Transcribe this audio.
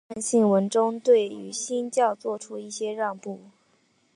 他在认信文中对于新教做出一些让步。